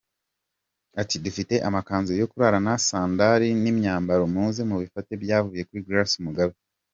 Ati “Dufite amakanzu yo kurarana, sandari, n’ imyambaro muze mubifate byavuye kuri Grace Mugabe”.